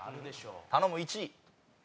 頼む１位。